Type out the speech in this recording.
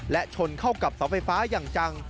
และชนเข้ากับเสาไฟฟ้าอย่างจัง